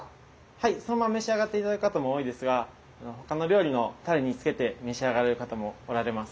はいそのまま召し上がって頂く方も多いですが他の料理のタレにつけて召し上がる方もおられます。